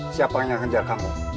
siapa yang ngehajar kamu